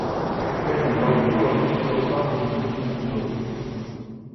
Během roku Labuť stoupá po východním obzoru.